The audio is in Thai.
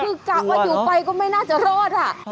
คือกลับมาอยู่ไปก็ไม่น่าจะโลศค่ะ